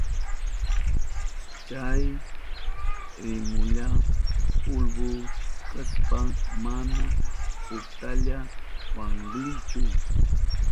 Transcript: Chay rimillu pulbu kashpan mana utkalla waklinchu.